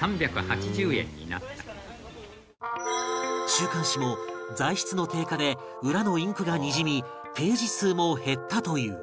週刊誌も材質の低下で裏のインクがにじみページ数も減ったという